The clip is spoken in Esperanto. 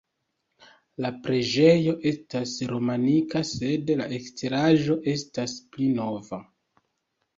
La preĝejo estas romanika sed la eksteraĵo estas pli nova.